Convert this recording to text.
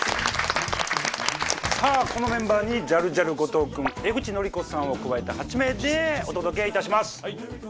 さあこのメンバーにジャルジャル後藤君江口のりこさんを加えた８名でお届けいたします。